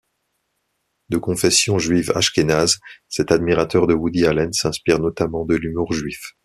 De confession juive ashkénaze, cet admirateur de Woody Allen s'inspire notamment de l'humour juif.